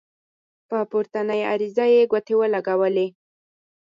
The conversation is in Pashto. په پورتنۍ عریضه یې ګوتې ولګولې.